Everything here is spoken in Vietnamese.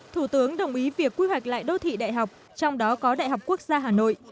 thủ tướng đồng ý việc quy hoạch lại đô thị đại học trong đó có đại học quốc gia hà nội